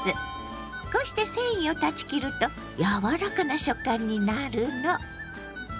こうして繊維を断ち切ると柔らかな食感になるの。